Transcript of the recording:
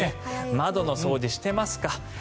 窓の掃除してますか。